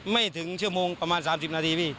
ไม่ถึงชั่วโมงประมาณ๓๐นาทีพี่